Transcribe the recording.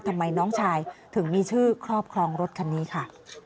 ทำไมน้องชายถึงมีชื่อครอบครองรถคันนี้ค่ะ